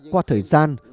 qua thời gian trước